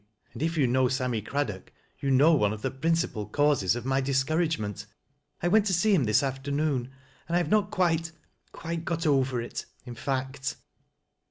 " And if you know Sam 16 THAT LASS 0" LOWRIEPS. my Craddogk, you know one of the principal causes ol my discouragement. I went to see him this afternooUj and I have not quite — quite got over it, in fact."